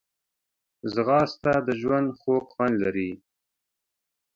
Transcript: ځغاسته د ژوند خوږ خوند لري